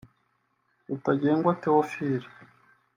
Rutagengwa Théophile